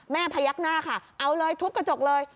พยักหน้าค่ะเอาเลยทุบกระจกเลย